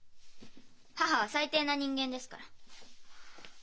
母は最低な人間ですから。